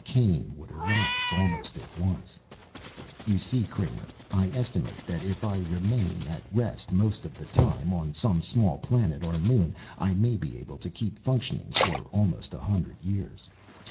Cain would arise almost at once. "You see, Kramer, I estimate that if I remain at rest most of the time, on some small planet or moon, I may be able to keep functioning for almost a hundred years.